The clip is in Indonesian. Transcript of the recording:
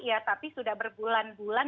ya tapi sudah berbulan bulan